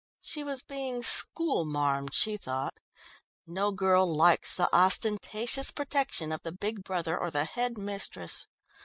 She was being "school marmed" she thought. No girl likes the ostentatious protection of the big brother or the head mistress.